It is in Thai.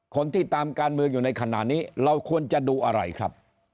คนที่ตามการเมืองอยู่ในขณะนี้เราควรจะดูอะไรครับ